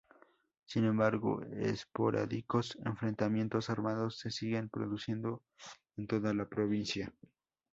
Sin embargo, esporádicos enfrentamientos armados se siguen produciendo en toda la provincia.